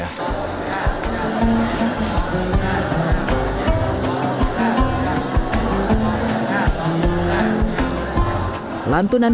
kampung ampel di pulau jawa